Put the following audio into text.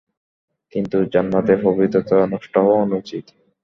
কিন্তু জান্নাতে পবিত্রতা নষ্ট হওয়া অনুচিত।